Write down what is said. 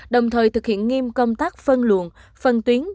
đồng thời thực hiện nghiêm công tác phân luồn phân tuyến